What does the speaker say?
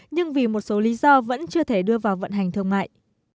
nhưng vì một số lý do vẫn chưa thể đưa vào vận hành thương mại